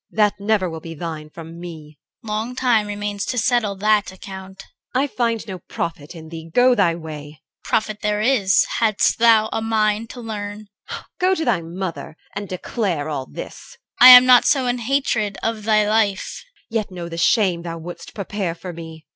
That never will be thine from me. CHR. Long time remains to settle that account. EL. I find no profit in thee. Go thy way. CHR. Profit there is, hadst thou a mind to learn. EL. Go to thy mother and declare all this! CHR. I am not so in hatred of thy life. EL. Yet know the shame thou wouldst prepare for me.